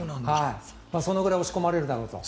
そのぐらい押し込まれるだろうと。